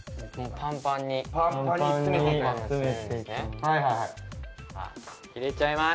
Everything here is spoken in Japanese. パンパンに詰めていきます。